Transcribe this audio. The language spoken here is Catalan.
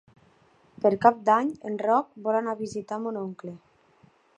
Per Cap d'Any en Roc vol anar a visitar mon oncle.